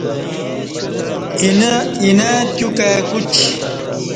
اینہ تیو کائی کوچی